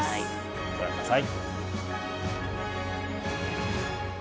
ご覧ください。